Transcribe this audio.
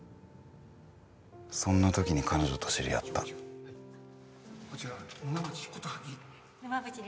そんな時に彼女と知り合ったこちら沼淵ことは議員